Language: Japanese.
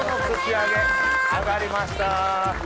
揚がりました。